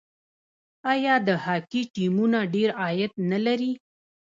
آیا د هاکي ټیمونه ډیر عاید نلري؟